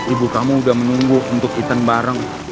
ibu kamu udah menunggu untuk event bareng